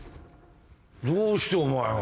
どうしてお前が。